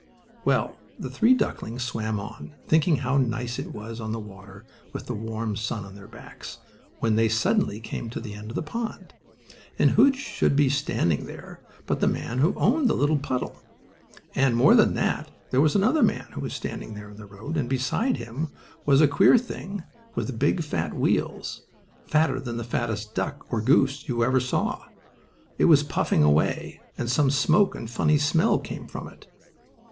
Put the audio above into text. Well, the three ducklings swam on, thinking how nice it was on the water, with the warm sun on their backs, when they suddenly came to the end of the pond. And who should be standing there but the man who owned the little puddle. And, more than that, there was another man also standing there in the road and beside him was a queer thing, with big fat wheels, fatter than the fattest duck or goose you ever saw. It was puffing away, and some smoke and a funny smell came from it.